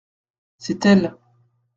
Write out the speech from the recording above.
C’est elles.